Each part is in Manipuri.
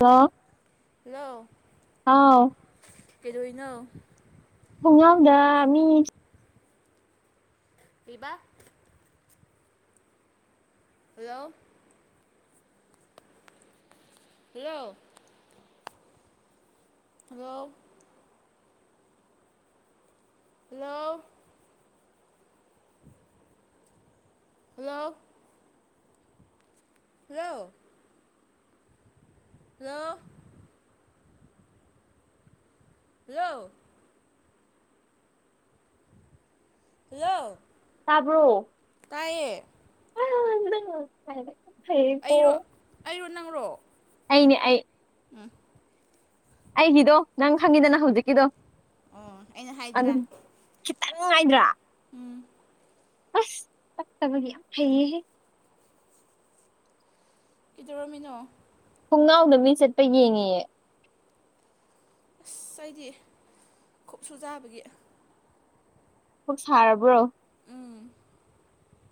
ꯍꯜꯂꯣ ꯍꯜꯂꯣ ꯍꯥꯎ ꯀꯩꯗꯧꯏꯅꯣ ꯈꯨꯡꯉꯥꯎꯗ ꯃꯤ ꯄꯤꯕꯥ hello hello hello hello hello hello hello hello hello ꯇꯥꯕ꯭ꯔꯣ ꯇꯥꯏꯌꯦ ꯐ ꯐꯔꯕꯣ ꯑꯩꯔꯣ ꯑꯩꯔꯣ ꯑꯩꯅꯦ ꯑꯩ ꯎꯝ ꯑꯩꯒꯤꯗꯣ ꯅꯪ ꯈꯪꯉꯤꯗꯅ ꯍꯧꯖꯤꯛꯀꯤꯗꯣ ꯑꯣ ꯑꯩꯅ ꯍꯥꯏꯗ꯭ꯔꯥ ꯑꯗꯨꯝ ꯈꯤꯇꯪ ꯅꯨꯡꯉꯥꯏꯗ꯭ꯔꯥ ꯎꯝ ꯑꯁ ꯆꯠꯇꯕꯒꯤ ꯐꯩꯌꯦꯍꯦ ꯀꯩꯗꯧꯔꯝꯃꯤꯅꯣ ꯊꯣꯡꯅꯥꯎꯗ ꯃꯤ ꯆꯠꯄ ꯌꯦꯡꯉꯤꯌꯦ ꯑꯁ ꯑꯩꯗꯤ ꯀꯨꯞꯁꯨ ꯆꯥꯕꯒꯤ ꯄꯨꯛ ꯁꯥꯔꯕ꯭ꯔꯣ ꯎꯝ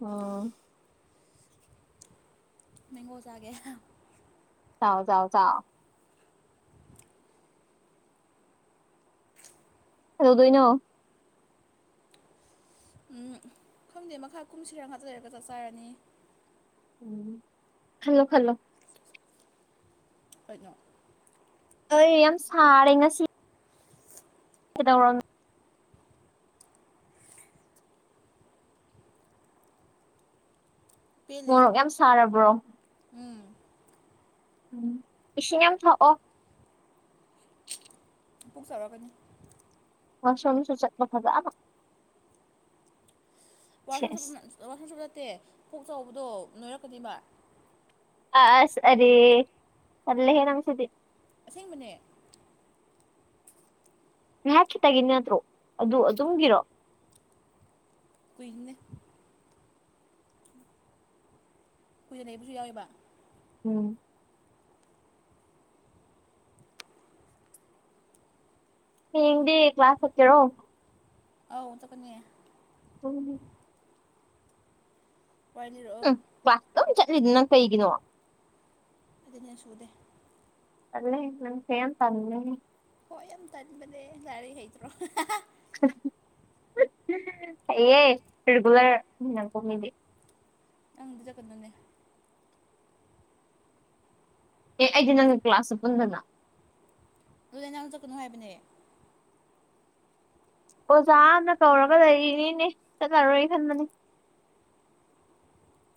ꯑꯣ ꯃꯦꯡꯒꯣ ꯆꯥꯒꯦ ꯆꯥꯎ ꯆꯥꯎ ꯆꯥꯎ ꯀꯧꯗꯧꯗꯣꯏꯅꯣ ꯎꯝ ꯈꯪꯗꯦ ꯃꯈꯥ ꯀꯨꯝꯁꯤꯔꯥ ꯉꯥꯛꯇꯪ ꯂꯩꯔꯥ ꯆꯥꯛ ꯆꯔꯅꯤ ꯎꯝ ꯈꯂꯣ ꯈꯂꯣ ꯍꯣꯏꯅꯣ ꯍꯣꯏ ꯌꯥꯝ ꯁꯥꯔꯦ ꯉꯁꯤ ꯀꯩꯗꯧꯔꯝ ꯄꯦꯜꯂꯦꯍꯦ ꯃꯣꯔꯣꯛ ꯌꯥꯝ ꯁꯥꯔꯕ꯭ꯔꯣ ꯎꯝ ꯎꯝ ꯏꯁꯤꯡ ꯌꯥꯝ ꯊꯣꯛꯑꯣ ꯄꯨꯛ ꯆꯥꯛꯂꯥꯛꯀꯅꯤ [unintelligible] ꯆꯠꯄ ꯐꯖꯅꯥ ꯋꯥꯁꯣ ꯆꯨꯞ ꯁꯦꯁ ꯋꯥꯔꯣꯝꯁꯨꯨꯞꯞ ꯅꯠꯇꯦ ꯐꯣꯛ ꯆꯥꯎꯕꯗꯣ ꯅꯣꯏꯔꯛꯀꯅꯤꯕ ꯑꯁ ꯑꯔꯦ ꯇꯜꯂꯍꯦ ꯅꯪꯁꯤꯗꯤ ꯑꯁꯦꯡꯕꯅꯦ ꯉꯥꯏꯍꯥꯛ ꯈꯤꯇꯒꯤ ꯅꯠꯇ꯭ꯔꯣ ꯑꯗꯨ ꯑꯗꯨꯝꯒꯤꯔꯣ ꯀꯨꯏꯕꯅꯦ ꯀꯨꯏꯅꯥ ꯂꯩꯕꯥꯁꯨ ꯌꯥꯎꯋꯕ ꯎꯝ ꯍꯌꯦꯡꯡꯗꯤ ꯀ꯭ꯂꯥꯁ ꯆꯠꯀꯦꯔꯣ ꯑꯧ ꯆꯠꯈꯅꯤ ꯎꯝ ꯄꯅꯤꯔꯛꯑꯣ ꯀꯂꯥꯁ ꯑꯗꯨꯝ ꯆꯠꯂꯤꯗꯨꯅ ꯀꯩꯒꯤꯅꯣ ꯑꯦꯇꯦꯟꯗꯦꯟꯁ ꯁꯨꯗꯦ ꯇꯜꯂꯦ ꯅꯪ [unintelligible] ꯍꯣꯏ ꯌꯥꯝ ꯇꯟꯕꯅꯦ ꯌꯥꯔꯤ ꯍꯩꯇ꯭ꯔꯣ ꯍꯩꯌꯦ ꯔꯔꯤꯒꯨꯂꯔꯅꯤꯅ ꯀꯣ ꯃꯤꯗꯤ ꯅꯪꯗ ꯆꯠꯀꯗꯣꯏꯅꯦ ꯑꯦ ꯑꯩꯗꯤ ꯅꯪꯒ ꯀ꯭ꯂꯥꯁꯁꯨ ꯄꯨꯟꯗꯅ ꯑꯗꯨ ꯅꯪ ꯆꯠꯀꯅꯨ ꯍꯥꯏꯕꯅꯦ ꯑꯣꯖꯥꯅ ꯀꯧꯔꯒ ꯂꯩꯔꯤꯅꯤꯅꯦ ꯆꯠꯂꯔꯣꯏ ꯈꯟꯕꯅꯤ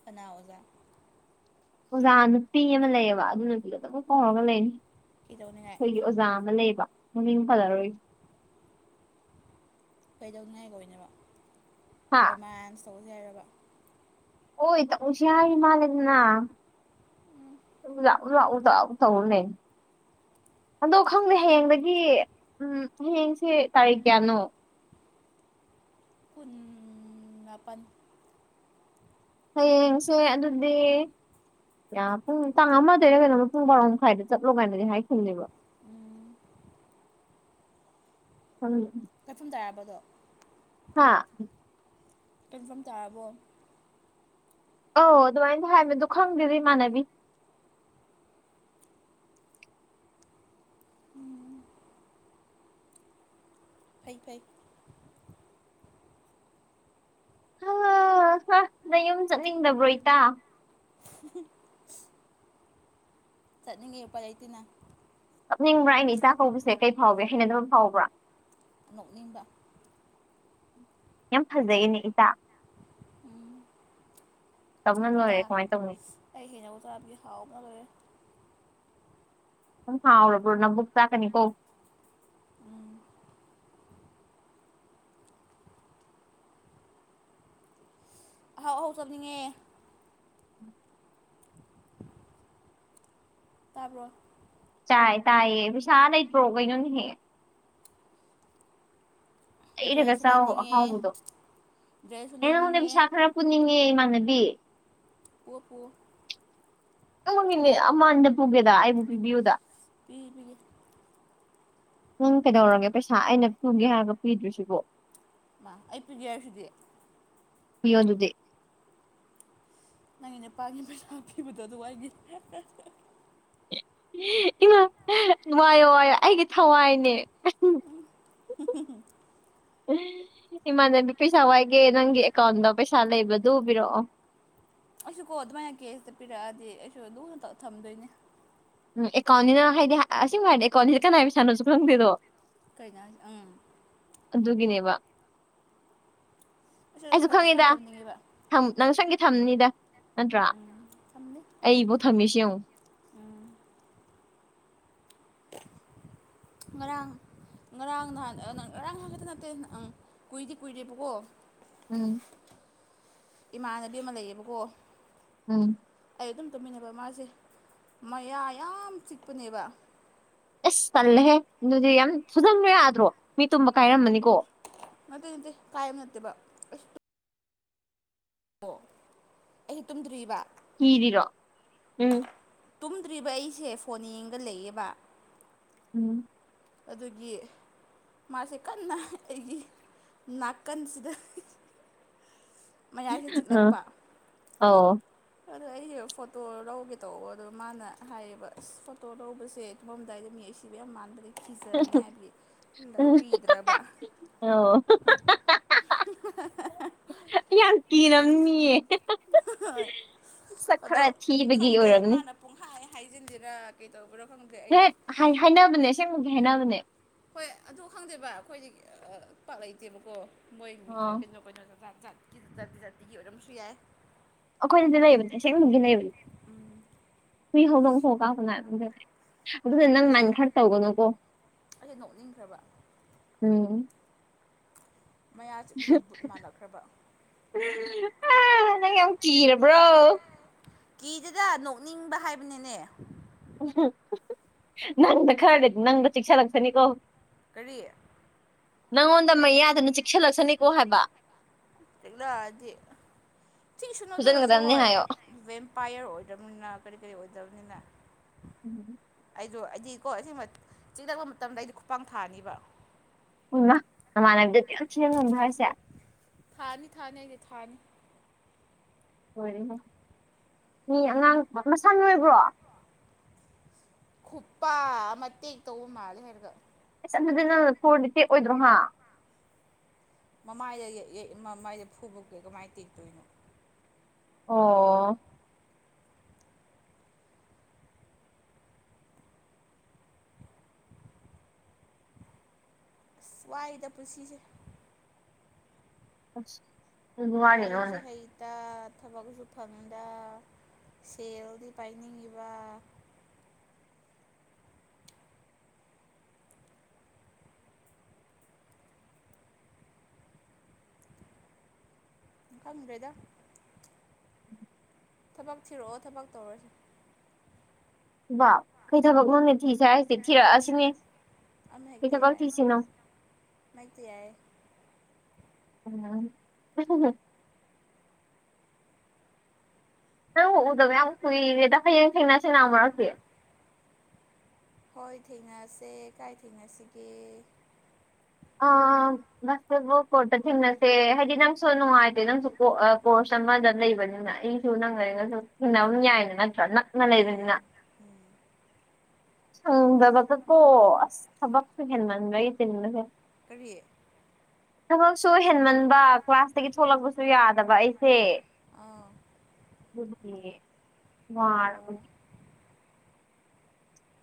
ꯀꯅꯥ ꯑꯣꯖꯥ ꯑꯣꯖꯥ ꯅꯨꯄꯤ ꯑꯃ ꯂꯩꯌꯦꯕ ꯑꯗꯨ ꯅꯨꯄꯤꯗ ꯑꯗꯨ ꯑꯃꯛ ꯀꯥꯎꯔꯒ ꯂꯩꯅꯤ ꯀꯩꯗꯧꯅꯤꯡꯉꯥꯏ ꯑꯩꯈꯣꯏꯒꯤ ꯑꯣꯖꯥ ꯑꯃ ꯂꯩꯕ ꯃꯃꯤꯡ ꯄꯜꯂꯔꯣꯏꯒꯦ ꯀꯩꯗꯧꯅꯤꯉꯥꯏꯗꯅꯦꯕ ꯍꯥ ꯔꯣꯃꯥꯟꯁ ꯇꯧꯁ ꯍꯥꯏꯔꯕ ꯍꯣꯏ ꯇꯧꯁꯦ ꯍꯥꯏꯔꯤ ꯃꯥꯂꯦꯗꯅ ꯂꯥꯛꯎꯗ ꯑꯗꯨꯝ ꯇꯧ ꯂꯩ ꯑꯗꯣ ꯈꯪꯗꯦ ꯍꯌꯦꯡꯗꯒꯤ ꯎꯝ ꯍꯌꯦꯡꯁꯦ ꯇꯥꯔꯤꯛ ꯀꯌꯥꯅꯣ ꯀꯨꯟꯃꯄꯟ ꯍꯌꯦꯡꯁꯦ ꯑꯗꯨꯗꯤ ꯑ ꯄꯨꯡ ꯇꯥꯡ ꯑꯃꯗꯩꯅ ꯀꯩꯅꯣꯝ ꯄꯨꯡ ꯕꯔꯣ ꯃꯈꯥꯏꯗ ꯆꯠꯂꯣ ꯀꯥꯏꯅꯗꯤ ꯍꯥꯏꯈꯤꯕꯅꯦꯕ ꯎꯝ [unintelligible] [unintelligible] ꯆꯥꯔꯕꯗꯣ ꯍꯥ ꯀꯩꯁꯥꯡ ꯆꯥꯔꯕꯣ ꯑꯧ ꯑꯗꯨꯃꯥꯏꯅꯗꯤ ꯍꯥꯏꯕꯅꯦ ꯑꯗꯣ ꯈꯪꯗꯦꯗ ꯏꯃꯥꯟꯅꯕꯤ ꯐꯩ ꯐꯩ ꯅꯌꯨꯝ ꯆꯠꯅꯤꯡꯗꯕ꯭ꯔꯣ ꯏꯇꯥ ꯆꯠꯅꯤꯡꯉꯦ ꯎꯄꯥꯏ ꯂꯩꯇꯦꯅ ꯀꯞꯅꯤꯡꯕ꯭ꯔꯥ ꯑꯩꯅ ꯏꯇꯥ ꯀꯧꯕꯁꯦ ꯀꯩ ꯐꯥꯎꯒꯦ ꯍꯩꯅꯗꯕ ꯐꯥꯎꯕ꯭ꯔꯥ ꯅꯣꯛꯅꯤꯡꯕ ꯌꯥꯝ ꯐꯖꯩꯌꯦꯅꯦ ꯏꯇꯥ ꯎꯝ ꯇꯧꯅ ꯑꯇꯥ ꯂꯣꯏꯔꯦ ꯀꯃꯥꯏ ꯇꯧꯅꯤ ꯑꯩ ꯍꯦꯟꯅ ꯑꯣꯖꯥꯗꯤ ꯍꯥꯎ ꯑꯃ ꯂꯣꯏꯔꯦ ꯁꯨꯝ ꯍꯥꯎꯔꯕ꯭ꯔꯣ ꯅꯪꯕꯨꯛ ꯆꯥꯛꯀꯅꯤꯀꯣ ꯎꯝ ꯑꯍꯥꯎ ꯑꯍꯥꯎ ꯆꯅꯤꯡꯉꯦ ꯇꯥꯕ꯭ꯔꯣ ꯆꯥꯏ ꯇꯥꯏꯌꯦ ꯄꯩꯁꯥ ꯂꯩꯇ꯭ꯔꯣ ꯀꯩꯅꯣ ꯅꯦꯍꯦ ꯂꯩꯔꯒ ꯗ꯭ꯔꯦꯁꯁꯨ ꯆꯥꯎ ꯂꯩꯅꯤꯡꯉꯦ ꯑꯍꯥꯎꯕꯗꯣ ꯗ꯭ꯔꯦꯁꯁꯨ ꯑꯩ ꯅꯪꯉꯣꯟꯗꯩ ꯂꯩꯅꯤꯡꯉꯦ ꯄꯁꯥ ꯈꯔ ꯄꯨꯅꯤꯡꯉꯦ ꯏꯃꯥꯟꯅꯕꯤ ꯄꯨꯋꯣ ꯄꯨꯋꯣ [unintelligible] ꯑꯃꯗ ꯄꯨꯒꯦꯗ ꯑꯩꯕꯨ ꯄꯤꯕꯤꯌꯨꯗ ꯄꯤꯕꯤꯒꯦ ꯅꯪ ꯀꯩꯗꯧꯔꯒꯦ ꯄꯩꯁꯥ ꯑꯩꯅ ꯄꯨꯒꯦ ꯍꯥꯏꯔꯒ ꯄꯤꯗ꯭ꯔꯤꯁꯤꯕꯣ ꯃꯥ ꯑꯩ ꯄꯤꯒꯦ ꯍꯥꯏꯁꯤꯗꯤ ꯄꯤꯌꯣ ꯑꯗꯨꯗꯤ ꯅꯪꯒꯤ ꯅꯨꯄꯥꯒꯤ ꯄꯩꯁꯥ ꯄꯤꯕꯗꯣ ꯑꯗꯨꯋꯥꯏꯒꯤ ꯏꯃꯥ ꯋꯥꯏꯌꯣ ꯋꯥꯏꯌꯣ ꯑꯩꯒꯤ ꯊꯋꯥꯏꯅꯦ [unintelligible] ꯏꯃꯥꯟꯅꯕꯤ ꯄꯩꯁꯥ ꯋꯥꯏꯒꯦ ꯅꯪꯒꯤ ꯑꯦꯀꯥꯎꯟꯗ ꯄꯩꯁꯥ ꯂꯩꯕꯗꯨ ꯄꯤꯔꯛꯑꯣ ꯑꯩꯁꯨꯀꯣ ꯗꯨꯃꯥꯏꯅ ꯀꯦꯁꯇ ꯄꯤꯔꯛꯑꯗꯤ ꯑꯩꯁꯨ ꯗꯨꯅꯥꯇ ꯊꯝꯗꯨꯏꯅꯦ ꯎꯝ ꯑꯦꯀꯥꯎꯟꯅꯤꯅ ꯍꯥꯏꯗꯤ ꯑꯥ ꯑꯁꯦꯡꯕ ꯍꯥꯏꯔꯗꯤ ꯑꯦꯀꯥꯎꯟꯁꯤꯅ ꯀꯅꯥꯏ ꯄꯩꯁꯥꯅꯣꯁꯨ ꯈꯪꯗꯦꯗꯣ ꯀꯩꯅꯣ ꯍꯥꯏꯖꯦ ꯎꯝ ꯑꯗꯨꯒꯤꯅꯦꯕ ꯑꯩꯁꯨ ꯑꯁꯨꯃꯥꯏꯅ ꯈꯪꯉꯤꯗ ꯊꯝꯅꯤꯡꯉꯦꯕ ꯊꯝ ꯅꯪ ꯁꯣꯏꯈꯩ ꯊꯝꯅꯤꯗ ꯅꯠꯇ꯭ꯔꯥ ꯎꯝ ꯊꯝꯅꯤ ꯑꯩꯕꯧ ꯊꯝꯃꯤꯁꯤ ꯌꯦꯡꯉꯣ ꯎꯝ ꯉꯔꯥꯡ ꯉꯔꯥꯡ ꯅꯍꯥꯟ ꯑꯥ ꯉꯔꯥꯡꯍꯥꯟ ꯈꯛꯇ ꯅꯠꯇꯦ ꯑꯪ ꯀꯨꯏꯗꯤ ꯀꯨꯏꯔꯦꯕꯀꯣ ꯎꯝ ꯏꯃꯥꯟꯅꯕꯤ ꯑꯃ ꯂꯩꯌꯦꯕꯀꯣ ꯎꯝ ꯑꯩ ꯑꯗꯨꯝ ꯇꯨꯝꯃꯤꯟꯅꯕ ꯃꯥꯁꯦ ꯃꯌꯥ ꯌꯥꯝ ꯆꯤꯛꯄꯅꯦꯕ ꯑꯁ ꯇꯜꯂꯦꯍꯦ ꯑꯗꯨꯗꯤ ꯌꯥꯝ ꯐꯨꯖꯟꯕ ꯌꯥꯗ꯭ꯔꯣ ꯃꯤ ꯇꯨꯝꯕ ꯀꯥꯏꯔꯝꯃꯅꯤꯀꯣ ꯅꯠꯇꯦ ꯅꯠꯇꯦ ꯀꯥꯏꯕ ꯅꯠꯇꯦꯕꯥ ꯑꯣ ꯑꯩ ꯇꯨꯝꯗ꯭ꯔꯤꯕ ꯀꯤꯔꯤꯔꯣ ꯎꯝ ꯇꯨꯝꯗ꯭ꯔꯤꯕ ꯑꯩꯁꯦ ꯐꯣꯟ ꯌꯦꯡꯒ ꯂꯩꯌꯦꯕ ꯎꯝ ꯑꯗꯨꯒꯤ ꯃꯥꯁꯦ ꯀꯟꯅ ꯑꯩꯒꯤ ꯅꯥꯀꯟꯁꯤꯗ ꯃꯌꯥꯏꯁꯦ ꯆꯤꯛꯂꯛꯄ ꯑꯣ ꯑꯗꯣ ꯑꯩꯁꯦ ꯐꯣꯇꯣ ꯂꯧꯒꯦ ꯇꯧꯕ ꯑꯗꯣ ꯃꯥꯅ ꯍꯥꯏꯌꯦꯕ ꯑꯁ ꯐꯣꯇꯣ ꯂꯧꯕꯁꯦ ꯇꯨꯝꯃꯝꯗꯥꯏꯗ ꯃꯤ ꯑꯁꯤꯕ ꯌꯥꯝ ꯃꯥꯟꯕꯅꯦ [unintelligible] ꯂꯧꯕꯤꯗ꯭ꯔꯕ ꯑꯣ [unintelligible] ꯌꯥꯝ ꯀꯤꯔꯝꯅꯤꯌꯦ ꯍꯣꯏ ꯁꯛ ꯈꯔ ꯑꯗꯣ ꯊꯤꯕꯒꯤ ꯈꯪꯗꯦ ꯑꯣꯏꯔꯝꯅꯤ ꯃꯥꯅ ꯄꯨꯡꯍꯥꯏ ꯍꯥꯏꯖꯤꯟꯖꯤꯔ ꯀꯩꯗꯧꯕ꯭ꯔꯣ ꯈꯪꯗꯦ ꯑꯩꯁꯨ ꯍꯦꯛ ꯍꯥꯏ ꯍꯥꯏꯅꯕꯅꯦ ꯑꯁꯦꯡꯕꯒꯤ ꯍꯥꯏꯅꯕꯅꯦ ꯍꯣꯏ ꯑꯗꯣ ꯈꯪꯗꯦꯕ ꯈꯣꯏꯗꯤ ꯑꯥ ꯑꯥ ꯄꯥꯛ ꯂꯩꯇꯦꯕꯀꯣ ꯃꯣꯏ ꯃꯤ ꯑꯣ ꯀꯩꯅꯣ ꯀꯩꯅꯣ ꯖꯥ ꯖꯥꯠꯀꯤ ꯖꯥꯇꯤ ꯖꯥꯇꯤꯒꯤ ꯑꯣꯏꯔꯝꯕꯁꯨ ꯌꯥꯏ ꯑꯩꯈꯣꯏꯗꯗꯤ ꯂꯩꯕꯅꯦ ꯑꯁꯦꯡꯕꯒꯤ ꯂꯩꯕꯅꯦ ꯍꯨꯏ ꯍꯧꯗꫭꯡ ꯐꯥꯎ ꯀꯥꯞꯀꯅꫭ [unintelligible] ꯑꯗꯨꯅ ꯅꯪ ꯑꯩꯁꯦ ꯃꯥꯏꯟ ꯍꯔꯠ ꯇꯧꯒꯅꯨꯀꯣ ꯑꯩꯁꯦ ꯅꯣꯛꯅꯤꯡꯈ꯭ꯔꯕ ꯎꯝ ꯃꯌꯥ ꯆꯤꯛꯄꯗ ꯕꯨꯠ ꯃꯥꯜꯂꯛꯈ꯭ꯔꯕ ꯑꯥ ꯅꯪ ꯌꯥꯝ ꯀꯤꯔꯕ꯭ꯔꯣ ꯀꯤꯗꯦꯗ ꯅꯣꯛꯅꯤꯡꯕ ꯍꯥꯏꯕꯅꯤꯅꯦ ꯅꯪꯅ ꯈꯔꯗꯤ ꯅꯪꯗ ꯆꯤꯛꯁꯜꯂꯛꯁꯥꯅꯤꯀꯣ ꯀꯔꯤ ꯅꯪꯉꯣꯟꯗ ꯃꯌꯥꯗꯨꯅ ꯆꯤꯛꯁꯤꯜꯂꯛꯁꯥꯅꯤꯀꯣ ꯍꯥꯏꯕ ꯆꯤꯛꯂꯛꯑꯥꯗꯤ ꯆꯤꯛꯁꯅꯨ ꯑꯗꯨꯑꯣꯏꯔꯁꯨ ꯐꯨꯖꯟꯒꯗꯕꯅꯤ ꯍꯣꯏ ꯍꯥꯏꯌꯣ ꯕꯦꯝꯄꯥꯌꯔ ꯑꯣꯏꯗꯝꯅꯤꯅ ꯀꯔꯤ ꯀꯔꯤ ꯑꯣꯏꯗꯕꯅꯤꯅ [unintelligible] ꯑꯩꯗꯣ ꯑꯩꯗꯤꯀꯣ ꯑꯁꯦꯡꯕ ꯆꯤꯛꯂꯛꯄ ꯃꯇꯝꯗ ꯑꯩꯗꯤ ꯈꯨꯄꯥꯛ ꯊꯥꯅꯤꯕ ꯑꯣ ꯏꯃꯥ ꯅꯃꯥꯟꯅꯕꯤꯗꯥ ꯑꯗꯨꯌꯥꯝ ꯊꯤꯅ ꯉꯝꯕ ꯍꯥꯏꯁꯦ ꯊꯥꯅꯤ ꯊꯥꯅꯤ ꯑꯩꯗꯤ ꯊꯥꯅꯤ ꯂꫭꯏꯔꯦꯍꯦ ꯃꯤ ꯑꯉꯥꯡ ꯃꯁꯥ ꯅꯣꯏꯕ꯭ꯔꯣ ꯈꯨꯄꯥ ꯑꯃꯥ ꯇꯦꯛ ꯇꯧꯕ ꯃꯥꯜꯂꯦ ꯍꯥꯏꯔꯒ ꯏꯁ ꯑꯗꯨꯗꯤ ꯅꯪꯅ ꯐꯣꯔꯗꯤ ꯇꯦꯛ ꯑꯣꯏꯗ꯭ꯔꯣ ꯃꯥ ꯃꯃꯥꯏꯗ ꯃꯃꯥꯏꯗ ꯐꯨꯕꯕꯨ ꯀꯃꯥꯏꯅ ꯇꯦꯛꯇꯣꯏꯅꯣ ꯑꯣ ꯋꯥꯏꯗ ꯄꯨꯟꯁꯤꯁꯦ ꯑꯁ ꯑꯗꯨꯗꯤ ꯂꯥꯏꯔꯤꯛꯁꯨ ꯋꯥꯔꯤꯅꯣꯅꯦ ꯍꯩ ꯊꯕꯛꯁꯨ ꯐꯪꯗ ꯁꯦꯜꯗꯤ ꯄꯥꯏꯅꯤꯡꯉꯤꯕ ꯈꯪꯗ꯭ꯔꯦꯗ ꯊꯕꯛ ꯊꯤꯔꯛꯑꯣ ꯊꯕꯛ ꯇꯧꯔꯁꯦ ꯕꯥ ꯀꯩ ꯊꯕꯛꯅꯣꯅꯦ ꯊꯤꯁꯦ ꯍꯥꯏꯁꯤ ꯊꯤꯔꯛꯑꯁꯤꯅꯦ ꯀꯩ ꯊꯕꯛ ꯊꯤꯁꯤꯅꯣ ꯑꯃ ꯍꯦꯛꯇ ꯌꯥꯢ ꯎꯝ [unintelligible] ꯅꯪ ꯎꯗꯕ ꯌꯥꯝ ꯀꯨꯏꯔꯦꯗ ꯍꯌꯦꯡ ꯊꯦꯡꯅꯁꯤ [unintelligible] ꯍꯣꯏ ꯊꯦꯡꯅꯁꯦ ꯀꯥꯏ ꯊꯦꯡꯅꯁꯤꯒꯦ ꯑꯥ [unintelligible] ꯀꯣꯔꯠꯇ ꯊꯦꯡꯅꯁꯦ ꯍꯥꯏꯗꯤ ꯅꯪꯁꯨ ꯅꯨꯡꯉꯥꯏꯇꯦ ꯅꯪꯁꯨ ꯀꯣꯔꯁ ꯑꯃꯗ ꯂꯩꯕꯅꯤꯅ ꯑꯩ ꯁꯨ ꯅꯪꯒ ꯑꯩꯒ ꯑꯗꯨꯝ ꯊꯦꯡꯅꯕ ꯌꯥꯏꯅ ꯅꯠꯇ꯭ꯔꯥ ꯅꯛꯅ ꯑꯥ ꯂꯩꯕꯅꯤꯅ ꯎꯝ ꯁꯪꯗꯕꯗ ꯀꯣ ꯑꯁ ꯊꯕꯛꯁꯨ ꯍꯦꯟꯃꯟꯕꯒꯤ ꯆꯤꯟꯕꯁꯦ ꯀꯔꯤ ꯊꯕꯛꯁꯨ ꯍꯦꯟꯃꯟꯕ ꯀ꯭ꯂꯥꯁꯇꯒꯤ ꯊꯣꯛꯂꯛꯄꯁꯨ ꯌꯥꯗꯕ ꯑꯩꯁꯦ ꯑꯥ ꯑꯗꯨꯒꯤ ꯋꯥꯔꯕꯒꯤ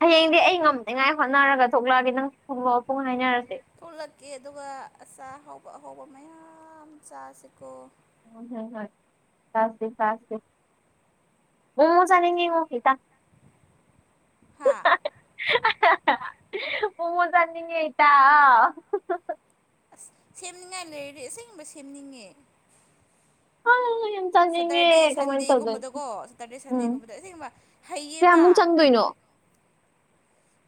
ꯍꯌꯦꯡꯗꯤ ꯑꯩ ꯉꯝꯅꯤꯉꯥꯏ ꯍꯣꯠꯅꯔꯒ ꯊꯣꯛꯂꯛꯑꯒꯦ ꯅꯪꯁꯨ ꯊꯣꯛꯂꯛꯑꯣ ꯄꯨꯡ ꯍꯥꯏꯅꯔꯁꯦ ꯊꯣꯛꯂꯛꯀꯦ ꯑꯗꯨꯒ ꯑꯆꯥꯄꯣꯠ ꯑꯍꯥꯎꯕ ꯑꯍꯥꯎꯕ ꯃꯌꯥꯝ ꯆꯥꯁꯤꯀꯣ ꯍꯣꯢ ꯍꯣꯢ ꯆꯥꯁꯤ ꯆꯥꯁꯤ ꯃꯣꯃꯣ ꯆꯥꯅꯤꯡꯉꯤꯉꯣ ꯈꯤꯇꯪ ꯍꯥꯥ ꯃꯣꯃꯣ ꯆꯥꯅꯤꯡꯉꯦ ꯢꯇꯥ ꯑꯁ ꯁꯦꯝꯅꯤꯡꯉꯥꯏ ꯂꯩꯔꯗꯤ ꯑꯁꯦꯡꯕ ꯁꯦꯝꯅꯤꯡꯉꯦ ꯑ ꯌꯥꯝ [unintelligible] ꯆꯪꯅꯤꯡꯉꯦ ꯁꯇꯔꯗꯦ ꯀꯃꯥꯏꯅ ꯇꯧꯗꯣꯏꯅꯣ ꯁꯟꯗꯦꯒꯨꯝꯕꯗꯀꯣ ꯁꯇꯔꯗꯦ ꯎꯝ ꯁꯟꯗꯦꯒꯨꯝꯕꯗ ꯑꯁꯦꯡꯕ ꯍꯩꯌꯦꯕ ꯀꯌꯥꯃꯨꯛ ꯆꯪꯗꯣꯏꯅꯣ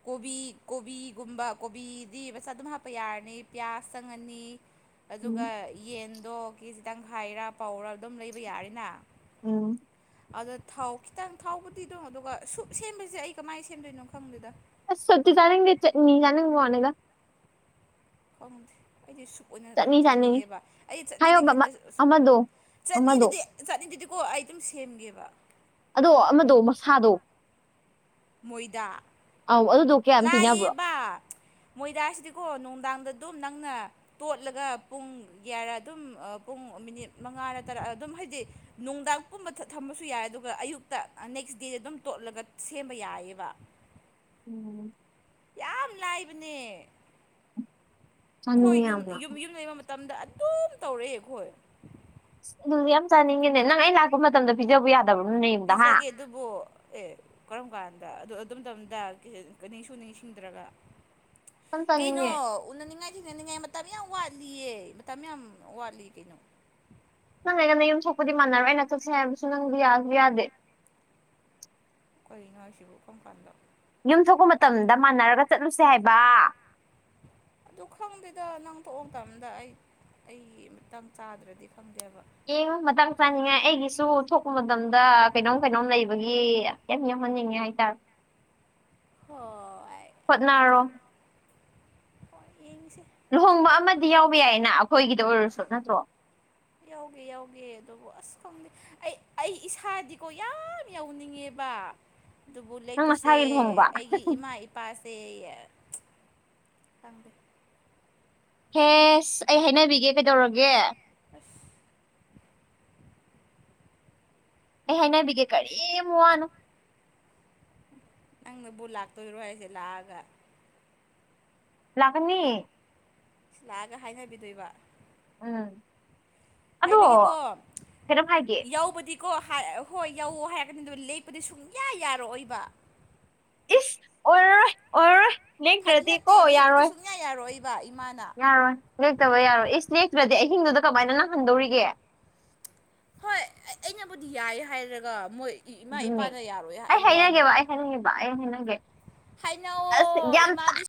ꯀꯣꯕꯤ ꯀꯣꯕꯤꯒꯨꯝꯕ ꯀꯣꯕꯤꯗꯤ ꯃꯆꯥ ꯑꯗꯨꯝ ꯍꯥꯞꯄ ꯌꯥꯔꯅꯤ ꯄꯤꯌꯥꯁ ꯆꯪꯉꯅꯤ ꯎꯝ ꯑꯗꯨꯒ ꯌꯦꯟꯗꯣ ꯀꯦꯖꯤ ꯇꯪꯈꯥꯢꯔ ꯄꯥꯎꯋꯥꯔ ꯑꯗꯨꯝ ꯂꯩꯕ ꯌꯥꯔꯤꯅ ꯎꯝ ꯑꯗ ꯊꯥꯎ ꯈꯤꯇꯪ ꯊꯥꯎꯕꯨꯗꯤ ꯑꯗꯨꯝ ꯑꯗꯨꯒ ꯁꯨꯞ ꯁꯦꯝꯕꯁꯦ ꯑꯩ ꯀꯃꯥꯏꯅ ꯁꯦꯝꯗꯣꯏꯅꯣ ꯈꯪꯗꯦꯗ ꯑꯁ ꯁꯨꯛꯇꯤ ꯆꯥꯅꯤꯡꯖꯦ ꯆꯥꯛꯅꯤ ꯆꯤꯅꯤꯡꯕꯩ ꯋꯥꯅꯤꯗ ꯈꯪꯗꯦ ꯑꯩꯗꯤ ꯁꯨꯛ ꯑꯣꯏꯅ ꯆꯠꯅꯤ ꯆꯥꯅꯤꯡꯉꯦ ꯆꯥꯅꯤꯡꯉꯦꯕ ꯑꯩ ꯍꯥꯏꯌꯣꯕ ꯆꯠꯅꯤꯗꯒꯤ ꯑꯃ ꯍꯦꯟꯅ ꯑꯃꯗꯣ ꯑꯃꯗꯣ ꯆꯠꯅꯤꯗꯨꯗꯤ ꯆꯠꯅꯤꯗꯨꯗꯤꯀꯣ ꯑꯩ ꯑꯗꯨꯝ ꯁꯦꯝꯒꯦꯕ ꯑꯗꯣ ꯑꯃꯗꯣ ꯃꯁꯥꯗꯣ ꯃꯣꯏꯗꯥ ꯑꯥꯎ ꯑꯗꯨꯗꯣ ꯀꯌꯥꯝ ꯄꯤꯅꯕ꯭ꯔꯣ ꯂꯥꯛꯑꯦꯕꯥ ꯃꯣꯏꯗꯥꯁꯤꯗꯤꯀꯣ ꯅꯨꯡꯗꯥꯡꯗ ꯑꯗꯨꯝ ꯅꯪꯅ ꯇꯣꯠꯂꯒ ꯄꯨꯡ ꯌꯥꯌꯥꯔ ꯑꯗꯨꯝ ꯄꯨꯡ ꯃꯤꯅꯤꯠ ꯃꯉꯥꯔ ꯇꯥꯔꯛ ꯑꯗꯨꯝ ꯍꯥꯏꯗꯤ ꯅꯨꯡꯗꯥꯡ ꯄꯨꯝꯕ ꯊꯝꯕꯁꯨ ꯌꯥꯏ ꯑꯗꯨꯒ ꯑꯌꯨꯛꯇ ꯅꯦꯛꯁ ꯗꯦꯗ ꯑꯗꯨꯝ ꯇꯣꯠꯂꯒ ꯁꯦꯝꯕ ꯌꯥꯏꯌꯦꯕ ꯎꯝ ꯌꯥꯝ ꯂꯥꯏꯕꯅꯦ ꯑꯩꯈꯣꯏ ꯆꯥꯅꯤꯡꯉꯦ ꯌꯨꯝ ꯌꯥꯝꯅ ꯌꯨꯝ ꯌꯨꯝ ꯂꯩꯕ ꯃꯇꯝꯗ ꯑꯗꯨꯝ ꯇꯧꯔꯛꯑꯦ ꯑꯩꯈꯣꯏ ꯑꯗꯨꯗꯤ ꯌꯥꯝ ꯆꯥꯅꯤꯡꯉꯤꯅꯦ ꯅꯪ ꯑꯩ ꯂꯥꯛꯄ ꯃꯇꯝꯗ ꯄꯤꯖꯕ ꯌꯥꯗꯕꯅꯅꯦꯝꯗ ꯍꯥ ꯄꯤꯖꯒꯦ ꯑꯗꯨꯕꯨ ꯑꯦ ꯀꯔꯝ ꯀꯥꯟꯗ ꯑꯗꯨ ꯑꯗꯨꯝ ꯃꯇꯝꯝꯗ ꯅꯤꯡꯁꯨ ꯅꯤꯡꯁꯤꯡꯗ꯭ꯔꯒ ꯌꯥꯝ ꯀꯩꯩꯅꯣ ꯆꯥꯅꯤꯡꯉꯦ ꯎꯅꯅꯤꯡꯉꯥꯏ ꯊꯤꯡꯅꯅꯤꯡꯉꯥꯏ ꯃꯇꯝ ꯌꯥꯝ ꯋꯥꯠꯂꯤꯌꯦ ꯃꯇꯝ ꯌꯥꯝ ꯋꯥꯠꯂꯤ ꯀꯩꯅꯣ ꯅꯪꯉꯒ ꯅꯪ ꯌꯨꯝ ꯁꯣꯛꯄꯨꯗꯤ ꯃꯥꯟꯅꯔꯣꯏ ꯑꯩꯅ ꯆꯠꯁꯦ ꯍꯥꯏꯕꯁꯨ ꯅꯪꯗꯤ ꯌꯥꯁꯨ ꯌꯥꯗꯦ ꯀꯩꯅ‌ꯣ ꯍꯥꯏꯁꯤꯕꯨ ꯀꯝꯀꯥꯟꯗ ꯌꯨꯝ ꯊꯣꯛꯄ ꯃꯇꯝꯗ ꯃꯥꯟꯅꯔꯒ ꯆꯠꯂꯨꯁꯦ ꯍꯥꯏꯕ ꯑꯗꯨ ꯈꯪꯗꯦꯗ ꯅꯪ ꯇꯣꯛꯑ ꯃꯇꯝ ꯑꯃꯗ ꯑꯩ ꯑꯩ ꯑꯃꯇꯪ ꯆꯥꯗ꯭ꯔꯗꯤ ꯐꯪꯗꯦꯕ ꯑꯦꯡꯉ ꯃꯇꯥꯡ ꯆꯥꯅꯤꯡꯉꯥꯏ ꯑꯩꯒꯤꯁꯨ ꯊꯣꯛꯄ ꯃꯇꯝꯗ ꯀꯩꯅꯣꯝ ꯀꯩꯅꯣꯝ ꯂꯩꯕꯒꯤ ꯌꯥꯝ ꯌꯥꯎꯍꯟꯅꯤꯡꯉꯦ ꯍꯥꯏꯇꯥꯔꯦ [inaudible] ꯍꯣꯏ ꯑꯗꯨ ꯍꯣꯠꯅꯔꯣ ꯍꯣꯏ ꯌꯦꯡꯁꯦ ꯂꯨꯍꯣꯡꯕ ꯑꯃꯗꯤ ꯌꯥꯎꯕ ꯌꯥꯏꯌꯦꯅ ꯑꯩꯈꯣꯏꯒꯤꯗ ꯑꯣꯏꯔꯁꯨ ꯅꯠꯇ꯭ꯔꯣ ꯌꯥꯎꯒꯦ ꯌꯥꯎꯒꯦ ꯑꯗꯨꯕꯨ ꯑꯁ ꯈꯪꯗꯤ ꯑꯩ ꯑꯩ ꯏꯁꯥꯗꯤꯀꯣ ꯌꯥꯝ ꯌꯎꯅꯤꯡꯉꯦꯕ ꯑꯗꯨꯕꯨ ꯅꯪ ꯂꯦꯛꯄꯁꯦ ꯅꯁꯥꯒꯤ ꯂꯨꯍꯣꯡꯕ ꯑꯩꯒꯤ ꯏꯃꯥ ꯄꯥꯁꯦ ꯊꯪꯗ ꯍꯦꯁ ꯑꯩ ꯍꯥꯏꯅꯕꯤꯒꯦ ꯀꯩꯗꯧꯔꯒꯦ ꯑꯁ ꯑꯩ ꯍꯥꯏꯅꯕꯤꯒꯦ ꯀꯔꯤꯝ ꯋꯥꯅꯣ ꯅꯪꯅꯕꯨꯠ ꯂꯥꯛꯇꯣꯏꯔꯣ ꯍꯥꯏꯁꯦ ꯂꯥꯛꯑꯒ ꯂꯥꯛꯅꯤ ꯂꯥꯛꯑꯒ ꯍꯥꯏꯅꯕꯤꯗꯣꯏꯕ ꯎꯝ ꯑꯗꯣ ꯍꯥꯏꯕꯤꯒꯦꯀꯣ ꯀꯩꯅꯣꯝ ꯍꯥꯏꯒꯦ ꯌꯥꯎꯕꯗꯤ ꯀꯣ ꯍꯣꯏ ꯌꯧꯋ ꯍꯥꯏꯔꯒꯅꯤ ꯑꯗꯨ ꯂꯦꯛꯞꯄꯗꯤ ꯁꯨꯡꯌꯥ ꯌꯥꯔꯛꯑꯣꯏꯕ ꯏꯁ ꯑꯣꯔꯔ‌ꯣꯏ ꯑꯣꯔꯔ‌ꯣꯏ ꯐꯥꯒꯤ ꯂꯦꯡꯇ꯭ꯔꯗꯤ ꯅꯠꯇꯦ ꯀꯣ ꯂꯦꯛꯄꯗꯤ ꯌꯥꯔꯣꯏ ꯁꯨꯡꯌꯥ ꯌꯥꯔꯣꯏꯕ ꯏꯃꯥꯅ ꯌꯥꯔꯣꯏ ꯂꯦꯛꯇꯕ ꯌꯥꯔꯣꯏ ꯏꯁ ꯅꯦꯛꯇ꯭ꯔꯗꯤ ꯑꯍꯤꯡꯗꯨꯗ ꯀꯃꯥꯏꯅ ꯅꯪꯍꯟꯗꯧꯔꯤꯒꯦ ꯍꯣꯏ ꯑꯩꯅꯕꯨꯗꯤ ꯌꯥꯏ ꯍꯥꯏꯔꯒ ꯃꯣꯏ ꯏꯃꯥ ꯑꯗꯨꯅꯦ ꯏꯄꯥꯗ ꯌꯥꯔꯣꯏ ꯑꯩ ꯍꯥꯏꯕ ꯋꯥꯅꯤ ꯍꯥꯏꯅꯒꯦꯕ ꯑꯩ ꯍꯥꯏꯅꯒꯦꯕ ꯑꯩ ꯍꯥꯏꯅꯒꯦ ꯑꯁ ꯍꯥꯏꯅꯧ ꯌꯥꯝ ꯏꯃꯥꯗꯤ